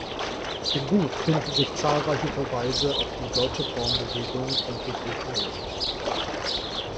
Im Buch finden sich zahlreiche Verweise auf die deutsche Frauenbewegung um Hedwig Heyl.